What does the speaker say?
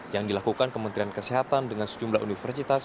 yang dilakukan kementerian kesehatan dengan sejumlah universitas